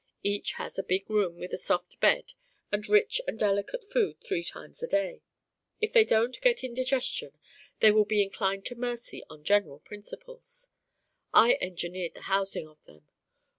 Each has a big room with a soft bed and rich and delicate food three times a day. If they don't get indigestion they will be inclined to mercy on general principles. I engineered the housing of them.